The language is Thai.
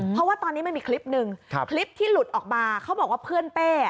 เพราะว่าตอนนี้มันมีคลิปหนึ่งคลิปที่หลุดออกมาเขาบอกว่าเพื่อนเป้